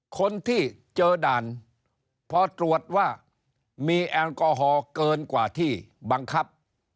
คนที่เจอด่านพอตรวจว่ามีแอลกอฮอล์เกินกว่าที่บังคับ